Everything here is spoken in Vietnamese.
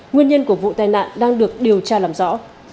nguyên nhân của vụ tai nạn đang được điều tra làm rõ